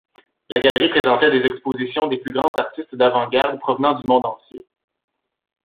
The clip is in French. La galerie présentait des expositions des plus grands artistes d’avant-garde provenant du monde entier.